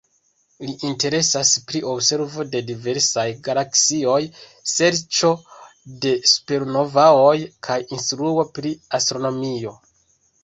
Li interesas pri observo de diversaj galaksioj, serĉo de supernovaoj kaj instruo pri astronomio.